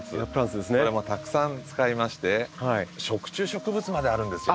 これもたくさん使いまして食虫植物まであるんですよ。